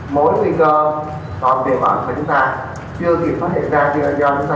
mỗi nguy cơ còn tiềm ẩn của chúng ta chưa kịp phát hiện ra chưa do chúng ta chưa test tới